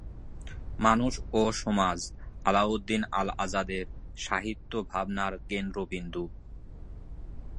মানুষ ও সমাজ আলাউদ্দিন আল আজাদের সাহিত্য ভাবনার কেন্দ্রবিন্দু।